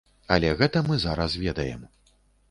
Але гэта мы зараз ведаем.